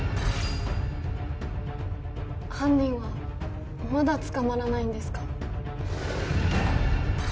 犯人はまだ捕まらないんですか？